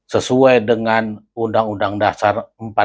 sesuai dengan undang undang dasar empat puluh lima